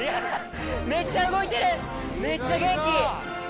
めっちゃ動いてるめっちゃ元気！